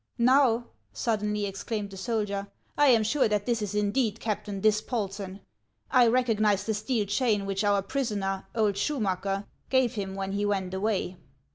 " Now," suddenly exclaimed the soldier, " I am sure that this is indeed Captain Dispolsen. I recognize the steel chain which our prisoner, old Schumacker, gave him when he went away."